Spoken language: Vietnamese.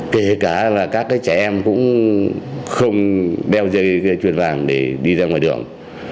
kể cả là các trẻ em cũng không đeo dây chuyền vàng để đi ra ngoài đường